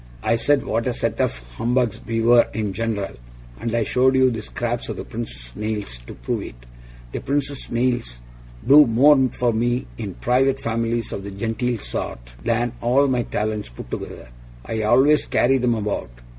'I said, what a set of humbugs we were in general, and I showed you the scraps of the Prince's nails to prove it. The Prince's nails do more for me in private families of the genteel sort, than all my talents put together. I always carry 'em about.